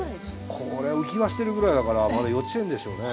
これ浮き輪してるぐらいだからまだ幼稚園でしょうね。